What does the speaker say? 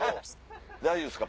大丈夫ですか？